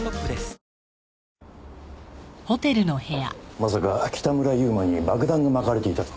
まさか北村悠馬に爆弾が巻かれていたとは。